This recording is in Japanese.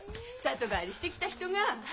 里帰りしてきた人が。